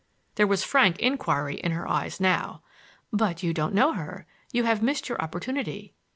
There was frank inquiry in her eyes now. "But you don't know her,—you have missed your opportunity."